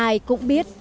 ai cũng biết